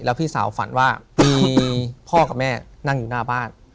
พี่สาวฝันว่ามีพ่อกับแม่นั่งอยู่หน้าบ้าน